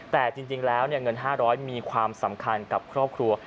แต่จริงแล้วเงิน๕๐๐มีความสำคัญกับครอบครัว